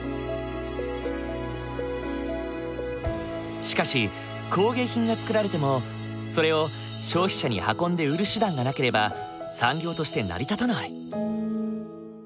しかし工芸品が作られてもそれを消費者に運んで売る手段がなければ産業として成り立たない。